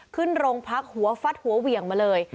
ขึ้นโรงพักหัวฟัดหัวเหวี่ยงมาเลย